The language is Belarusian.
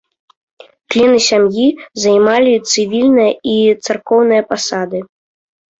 Члены сям'і займалі цывільныя і царкоўныя пасады.